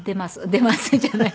出ますじゃない。